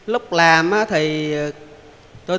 lúc làm thì